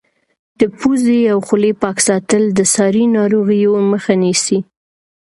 د پوزې او خولې پاک ساتل د ساري ناروغیو مخه نیسي.